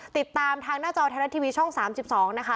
ติดตามทางหน้าจอไทยรัฐทีวีช่อง๓๒นะคะ